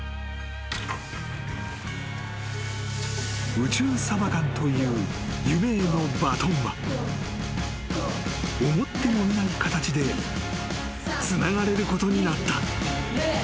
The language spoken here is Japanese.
［宇宙サバ缶という夢へのバトンは思ってもみない形でつながれることになった］